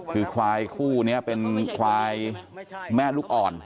คือควายคู่นี้เป็นควายแม่ลูกอ่อน